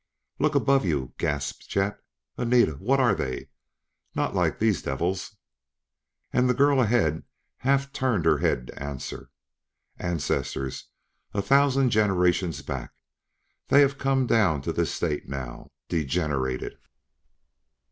"Look above you!" gasped Chet. "Anita! What are they? Not like these devils!" And the girl ahead half turned her head to answer: "Ancestors! A thousand generations back! They have come down to this state now degenerated."